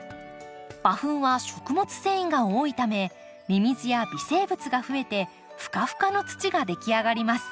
馬ふんは食物繊維が多いためミミズや微生物がふえてふかふかの土ができ上がります。